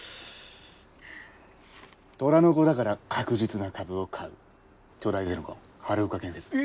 虎の子だから確実な株を買う巨大ゼネコン春岡建設だ。